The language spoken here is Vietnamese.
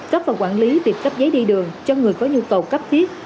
cấp và quản lý việc cấp giấy đi đường cho người có nhu cầu cấp thiết